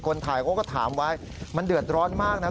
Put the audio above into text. ถ่ายเขาก็ถามไว้มันเดือดร้อนมากนะ